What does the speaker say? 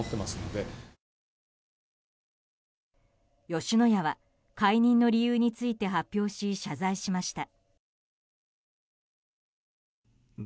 吉野家は解任の理由について発表し謝罪しました。